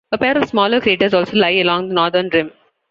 A pair of smaller craters also lie along the northern rim.